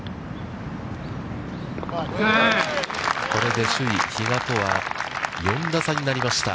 これで首位比嘉とは、４打差になりました。